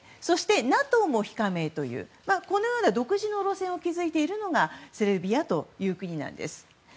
そして、ＮＡＴＯも非加盟というこのような独自の路線を築いているのがセルビアという国です。